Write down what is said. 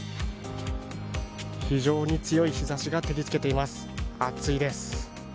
非常に強い日ざしが照りつけています、暑いです。